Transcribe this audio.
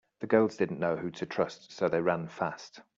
The girls didn’t know who to trust so they ran fast.